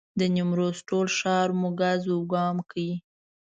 د نیمروز ټول ښار مو ګز وګام کړ.